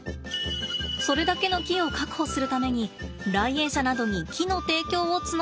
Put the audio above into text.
それだけの木を確保するために来園者などに木の提供を募ったんですって。